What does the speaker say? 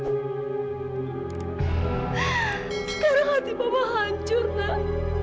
sekarang hati mama hancur nak